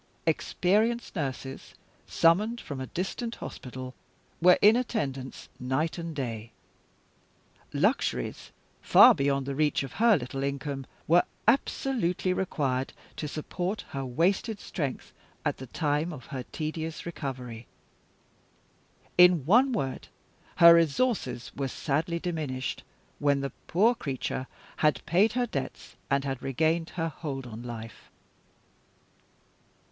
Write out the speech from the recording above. Experienced nurses, summoned from a distant hospital, were in attendance night and day. Luxuries, far beyond the reach of her little income, were absolutely required to support her wasted strength at the time of her tedious recovery. In one word, her resources were sadly diminished, when the poor creature had paid her debts, and had regained her hold on life.